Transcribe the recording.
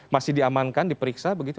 masih diamankan di periksa begitu